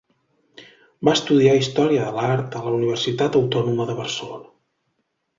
Va estudiar Història de l'Art a la Universitat Autònoma de Barcelona.